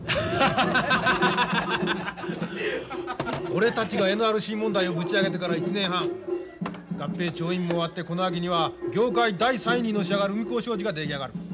俺たちがＮＲＣ問題をぶち上げてから１年半合併調印も終わってこの秋には業界第３位にのし上がる宇美幸商事が出来上がる。